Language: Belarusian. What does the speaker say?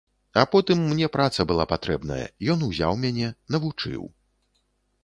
А потым мне праца была патрэбная, ён узяў мяне, навучыў.